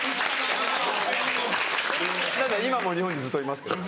今も日本にずっといますけど。